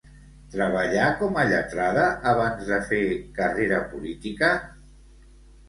Treballà com a lletrada abans de fer carrera política?